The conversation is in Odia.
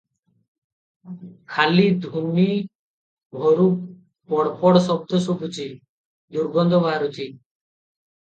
ଖାଲି ଧୂନି ଘରୁ ପଡ୍ ପଡ୍ ଶବ୍ଦ ଶୁଭୁଛି, ଦୁର୍ଗନ୍ଧ ବାହାରୁଛି ।